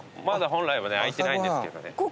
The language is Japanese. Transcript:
まだ本来はね開いてないんですけどね。